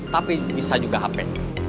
tapi bisa juga hape